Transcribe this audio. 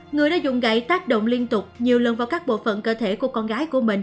người đã dùng gậy tác động liên tục nhiều lần vào các bộ phận cơ thể của con gái của mình